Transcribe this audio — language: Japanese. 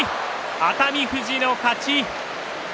熱海富士の勝ち。